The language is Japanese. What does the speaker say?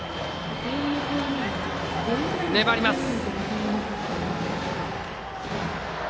粘ります。